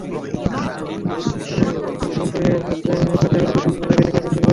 কনট্যুরিংয়ে হাত কাঁচা হলে দু-তিন দিন আগে থেকে একটু অনুশীলন করে নিন।